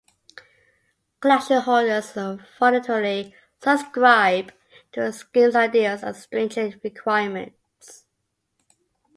Collection holders voluntarily subscribe to the scheme's ideals and stringent requirements.